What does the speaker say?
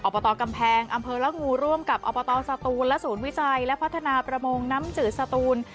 บตกำแพงอำเภอละงูร่วมกับอบตสตูนและศูนย์วิจัยและพัฒนาประมงน้ำจืดสตูน